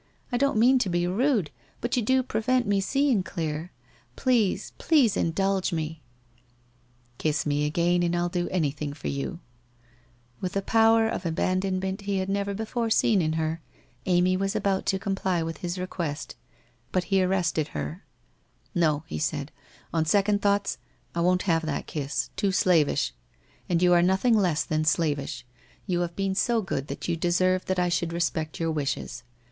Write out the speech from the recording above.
I don't mean to be rude, but you do prevent me seeing clear. Please, please indulge me !'' Kiss me again, and I'll do anything for you/ With a power of abandonment he had never before seen in her, Amy was about to comply with his request, but he arrested her. 268 WHITE ROSE OF WEARY LEAF ' No,' he said, ' on second thoughts, I won't have that kiss. Too slavish. And you are nothing less than slavish. You have been so good that you deserve that I should re spect your wishes.